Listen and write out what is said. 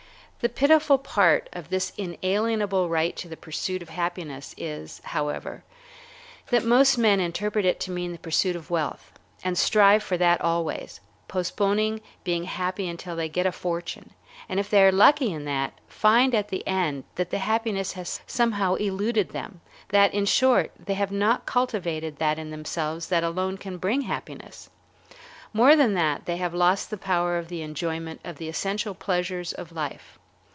The pitiful part of this inalienable right to the pursuit of happiness is, however, that most men interpret it to mean the pursuit of wealth, and strive for that always, postponing being happy until they get a fortune, and if they are lucky in that, find at the end that the happiness has somehow eluded them, that; in short, they have not cultivated that in themselves that alone can bring happiness. More than that, they have lost the power of the enjoyment of the essential pleasures of life.